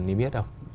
nêm biết đâu